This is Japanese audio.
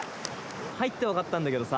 入ってわかったんだけどさ。